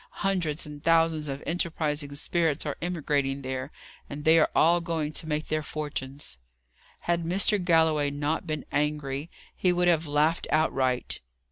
Hundreds and thousands of enterprising spirits are emigrating there, and they are all going to make their fortunes." Had Mr. Galloway not been angry, he would have laughed out right.